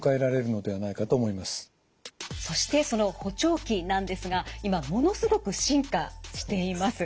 そしてその補聴器なんですが今ものすごく進化しています。